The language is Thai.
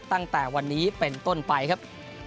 ตั้งแต่วันนี้เป็นต้นไปครับ